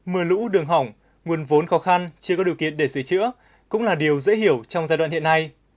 mưa lũ đường hỏng nguồn vốn khó khăn chưa có điều kiện để sửa chữa cũng là điều dễ hiểu trong giai đoạn hiện nay